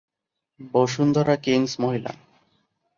Bashundhara Kings মহিলা